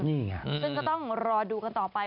ซึ่งก็ต้องรอดูกันต่อไป